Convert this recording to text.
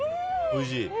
おいしい？